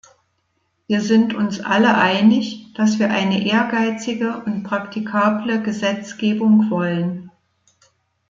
Wir sind uns alle einig, dass wir eine ehrgeizige und praktikable Gesetzgebung wollen.